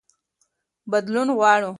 بدلون غواړو.